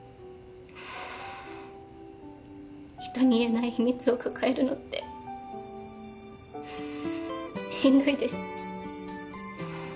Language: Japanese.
人に言えない秘密を抱えるのってしんどいです。